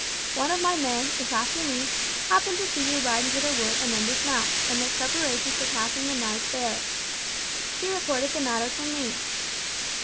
One of my men, this afternoon, happened to see you ride into the wood and then dismount and make preparations for passing the night there. He reported the matter to me.